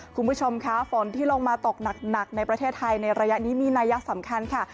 คุณผู้ชมค่ะฝนที่ลงมาตกหนักในประเทศไทยในระยะนี้มีนัยสำคัญค่ะ